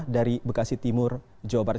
dari bekasi timur jawa barat